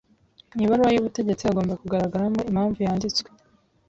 Mu ibaruwa y’ubutegetsi hagomba kugaragaramo impamvu yanditswe.